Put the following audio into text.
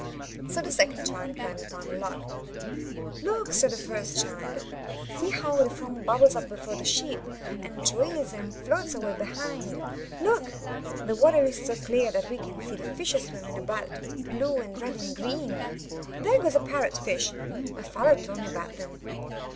So the second child climbed upon the log. ''Look!" said the first child. ''See how the foam bubbles up before the ship, and trails and floats away behind! Look! the water is so clear that we can see the fishes swimming about, blue and red and green. There goes a parrot fish; my father told me about them.